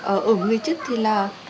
ở người chứt thì là